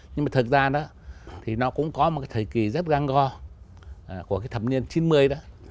nhưng mà thực ra đó thì nó cũng có một cái thời kỳ rất găng go của cái thập niên chín mươi đó